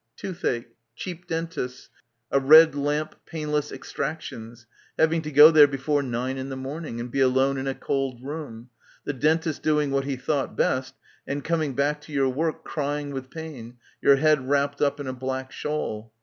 ... Toothache. Cheap dentists; a red lamp "painless extractions" ... having to go there before nine in the morning, and be alone in a cold room, the dentist doing what he thought best and coming back to your work crying with pain, your head wrapped up in a black shawl.